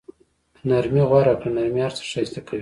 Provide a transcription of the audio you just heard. نرمي غوره کړه، نرمي هر څه ښایسته کوي.